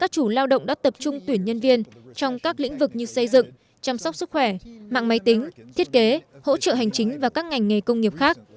các chủ lao động đã tập trung tuyển nhân viên trong các lĩnh vực như xây dựng chăm sóc sức khỏe mạng máy tính thiết kế hỗ trợ hành chính và các ngành nghề công nghiệp khác